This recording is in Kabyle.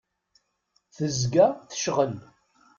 Tezga tecɣel.